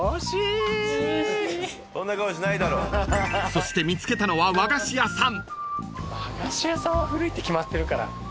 ［そして見つけたのは和菓子屋さん］